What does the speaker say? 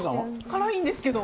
辛いんですけど。